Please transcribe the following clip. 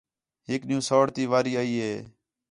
ہِک ݙِِین٘ہوں سَوڑ تی واری آئی ہِے